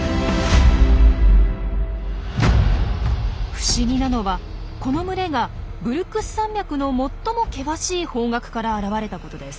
不思議なのはこの群れがブルックス山脈の最も険しい方角から現れたことです。